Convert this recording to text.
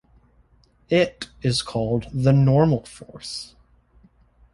It is called the normal force.